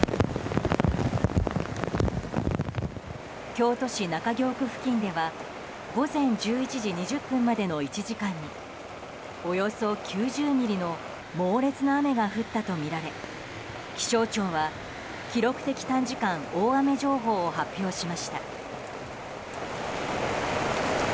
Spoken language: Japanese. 京都市中京区付近では午前１１時２０分までの１時間におよそ９０ミリの猛烈な雨が降ったとみられ気象庁は記録的短時間大雨情報を発表しました。